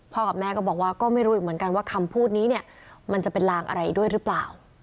พอก็มีลางอยู่พอก็มีลางคิดว่ามีเกิดอะไรมันจากนี้คิดอยู่